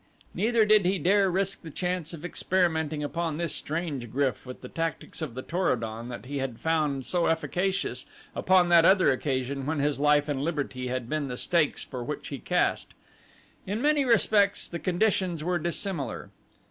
Neither did he dare risk the chance of experimenting upon this strange GRYF with the tactics of the Tor o don that he had found so efficacious upon that other occasion when his life and liberty had been the stakes for which he cast. In many respects the conditions were dissimilar.